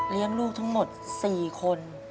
เลี้ยงลูกทั้งหมด๔คน